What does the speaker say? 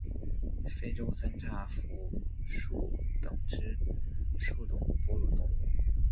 非洲三叉蝠属等之数种哺乳动物。